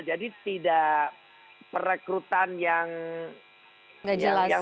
jadi tidak perekrutan yang tidak benar